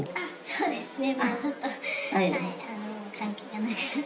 そうですよね。